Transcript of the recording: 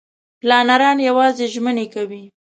پلانران یوازې ژمنې کوي.